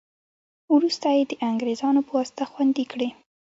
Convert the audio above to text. وروسته یې د انګرېزانو په واسطه خوندي کړې.